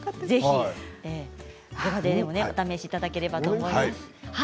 ぜひご家庭でもお試しいただければと思います。